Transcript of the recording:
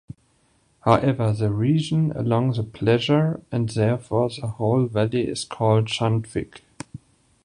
However, the region along the Plessur -and therefore the whole valley-is called Schanfigg.